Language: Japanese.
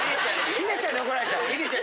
ヒデちゃんに怒られちゃう？